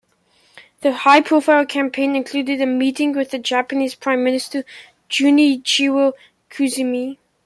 The high-profile campaign included a meeting with the Japanese Prime Minister Junichiro Koizumi.